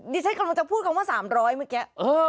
ดิฉันกำลังจะพูดคำว่า๓๐๐เมื่อกี้